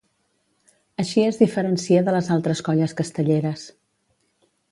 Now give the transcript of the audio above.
Així es diferencia de les altres colles castelleres.